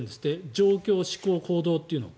状況、思考、行動というのを。